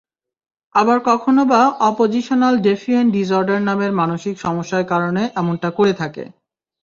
আবার কখনো-বা অপজিশনাল defiant disorder নামক মানসিক সমস্যার কারণে এমনটা করে থাকে।